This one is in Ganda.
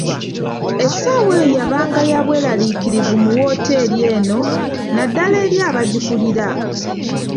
Essaawa eyo yabanga ya bwelarikirivu mu wooteri eno, naddala eri abagikulira.